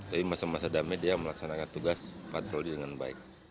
tapi masa masa damai dia melaksanakan tugas patroli dengan baik